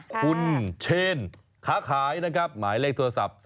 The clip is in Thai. คุณเชนค้าขายนะครับหมายเลขโทรศัพท์